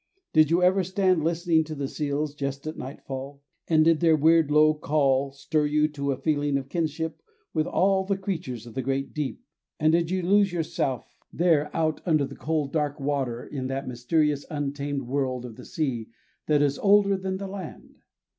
Did you ever stand listening to the seals just at nightfall, and did their weird, low call stir you to a feeling of kinship with all the creatures of the great deep, and did you lose yourself there out under the cold, dark water in that mysterious untamed world of the sea that is older than the land?